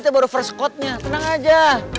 terbaru verskotnya tenang aja